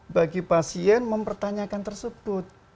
bagi pasien mempertanyakan tersebut